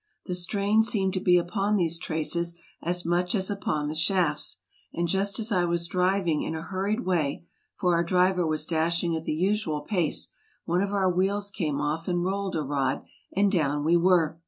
The strain seemed to be upon these traces as much as upon the shafts ; and just as I was driving in a Lur ried way — for our driver was dashing at the usual pace — one of our wheels came off and rolled a rod, and down we were